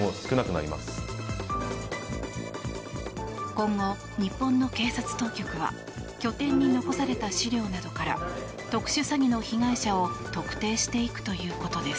今後、日本の警察当局は拠点に残された資料などから特殊詐欺の被害者を特定していくということです。